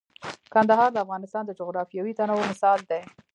کندهار د افغانستان د جغرافیوي تنوع مثال دی.